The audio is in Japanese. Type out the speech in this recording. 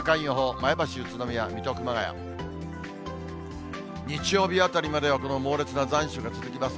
前橋、宇都宮、水戸、熊谷、日曜日あたりまでは、この猛烈な残暑が続きます。